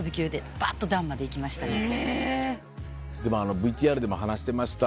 ＶＴＲでも話してました